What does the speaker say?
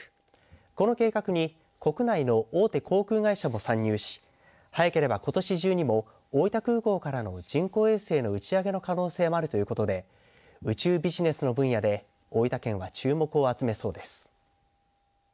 この計画に国内の大手航空会社も参入し早ければ、ことし中にも大分空港からの人工衛星の打ち上げの可能性もあるということで宇宙ビジネスの分野で大分県は、注目を集めそうです。